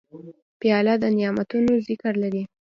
پیاله د نعتونو ذکر لري.